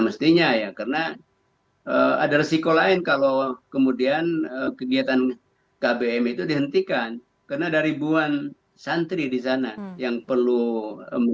mestinya ya karena ada resiko lain kalau kemudian kegiatan kbm itu dihentikan karena dari buhan bahan menteri itu hanya untuk berkontrol untuk kegiatan di meja launcung